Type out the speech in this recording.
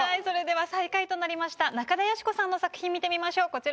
それでは最下位となりました中田喜子さんの作品見てみましょう。